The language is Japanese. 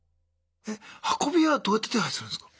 運び屋はどうやって手配するんすか？